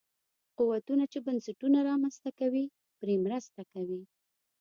قوتونه چې بنسټونه رامنځته کوي پرې مرسته کوي.